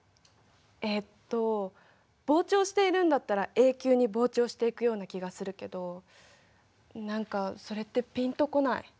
えっと膨張しているんだったら永久に膨張していくような気がするけど何かそれってピンとこない。